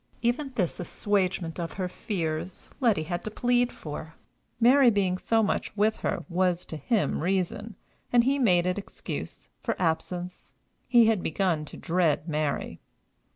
Even this assuagement of her fears Letty had to plead for; Mary's being so much with her was to him reason, and he made it excuse, for absence; he had begun to dread Mary.